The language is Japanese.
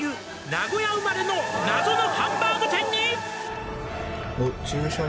「名古屋生まれの謎のハンバーグ店に」